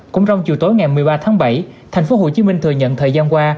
cũng trong chiều tối ngày một mươi ba tháng bảy thành phố hồ chí minh thừa nhận thời gian qua